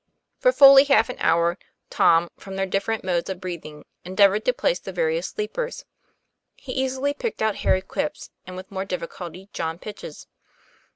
For fully half an hour, Tom, from their different modes of breathing, endeavored to place the various sleepers. He easily picked out Harry Quip's, and, with more difficulty, John Pitch's.